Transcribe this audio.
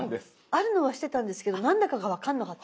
あるのは知ってたんですけど何だかが分かんなかった。